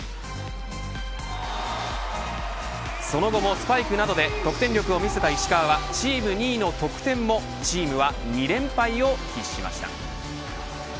その後もスパイクなどで得点力を見せた石川はチーム２位の得点もチームは２連敗を喫しました。